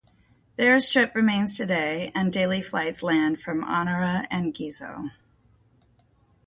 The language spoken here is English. The airstrip remains today and daily flights land from Honiara and Gizo.